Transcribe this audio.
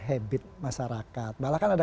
habit masyarakat malah kan ada